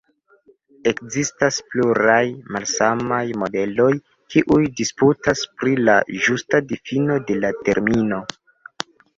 Ekzistas pluraj malsamaj modeloj kiuj disputas pri la ĝusta difino de la termino.